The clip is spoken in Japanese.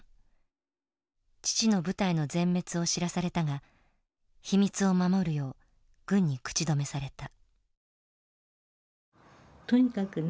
父の部隊の全滅を知らされたが秘密を守るよう軍に口止めされた。